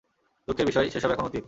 দুঃখের বিষয়, সে সব এখন অতীত।